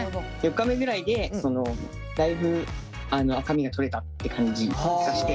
４日目ぐらいでだいぶ赤みが取れたって感じがして。